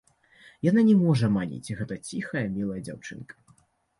Яна не можа маніць, гэтая ціхая мілая дзяўчынка!